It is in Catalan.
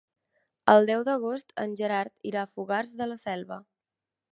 El deu d'agost en Gerard irà a Fogars de la Selva.